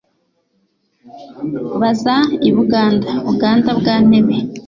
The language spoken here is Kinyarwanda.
Baza i Buganda Buganda bwa Ntebe